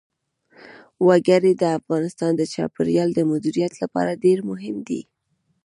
وګړي د افغانستان د چاپیریال د مدیریت لپاره ډېر مهم دي.